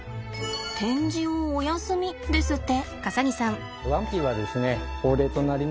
展示をお休みですって。